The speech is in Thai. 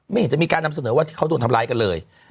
เห็นจะมีการนำเสนอว่าที่เขาโดนทำร้ายกันเลย